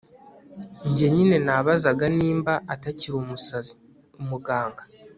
njye nyine nabazaga nimba atakiri umusazi! muganga